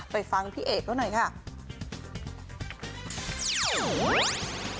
ไปฟังพี่เอกเขาหน่อยค่ะ